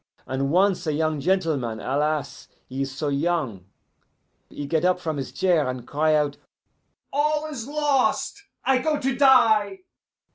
And once a young gentleman alas! he is so young he get up from his chair, and cry out, 'All is lost! I go to die!